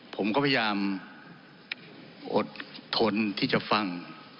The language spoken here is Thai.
ผมก็พยายามอดทนที่จะฟัง